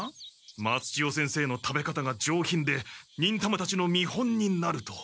「松千代先生の食べ方が上品で忍たまたちの見本になる」と。